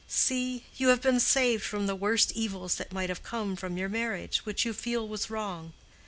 "See! you have been saved from the worst evils that might have come from your marriage, which you feel was wrong.